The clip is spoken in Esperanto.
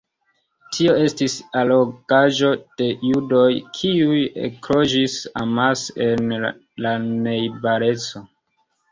Tio estis allogaĵo de judoj, kiuj ekloĝis amase en la najbareco.